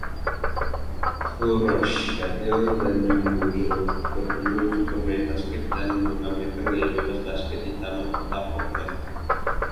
Vursatyl dan Jumbo bertemu untuk bermain basket dan memamerkan gaya-bebas basket di taman kota Portland.